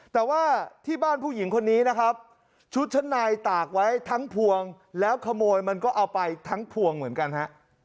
แต่ว่าที่บ้านผู้หญิงคนนี้นะครับชุดชั้นในตากไว้ทั้งพวงแล้วขโมยมันก็เอาไปทั้งพวงเหมือนกันฮะ